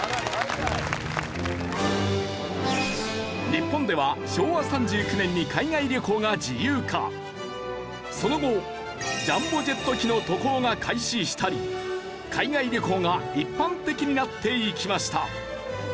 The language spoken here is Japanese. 日本では昭和３９年にその後ジャンボジェット機の渡航が開始したり海外旅行が一般的になっていきました。